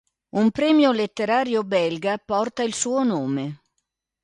Un premio letterario belga porta il suo nome.